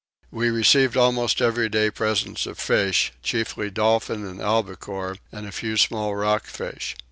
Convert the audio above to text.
We received almost every day presents of fish, chiefly dolphin and albacore, and a few small rock fish.